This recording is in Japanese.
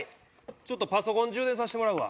ちょっとパソコン充電させてもらうわ。